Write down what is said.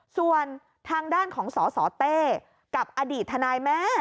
ส่วนทางด้านของสสเต้กับอดีตทนายแม่